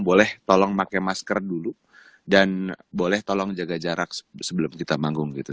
boleh tolong pakai masker dulu dan boleh tolong jaga jarak sebelum kita manggung gitu